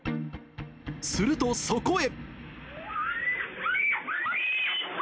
すると、そこへ。